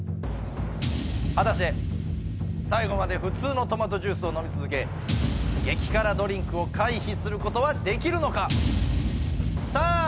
果たして最後まで普通のトマトジュースを飲み続け激辛ドリンクを回避することはできるのかさあ